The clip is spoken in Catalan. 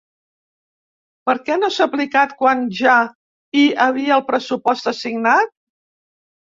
Perquè no s’ha aplicat quan ja hi havia el pressupost assignat?